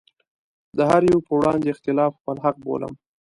د هره يوه په وړاندې اختلاف خپل حق بولم.